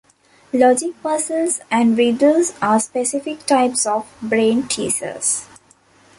Logic puzzles and riddles are specific types of brain teasers.